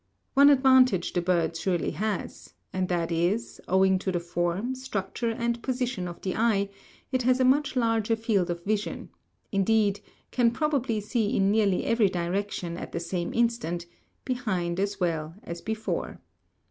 One advantage the bird surely has; and that is, owing to the form, structure, and position of the eye, it has a much larger field of vision indeed, can probably see in nearly every direction at the same instant, behind as well as before.